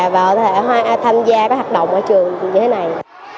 và có thể tham gia các hạt động ở trường như thế này